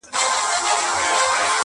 هغه زه یم هغه ښار هغه به دی وي٫